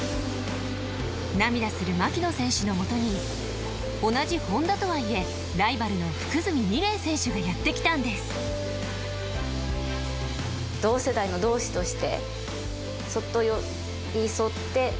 涙する牧野選手のもとに同じホンダとはいえライバルの福住仁嶺選手がやってきたんですあとは。